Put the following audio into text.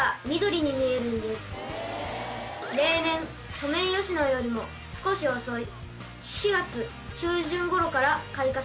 ソメイヨシノよりも少し遅い。